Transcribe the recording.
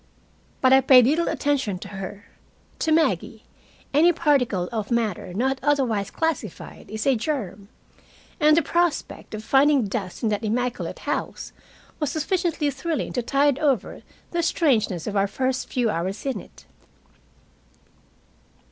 But I paid little attention to her. To Maggie any particle of matter not otherwise classified is a germ, and the prospect of finding dust in that immaculate house was sufficiently thrilling to tide over the strangeness of our first few hours in it.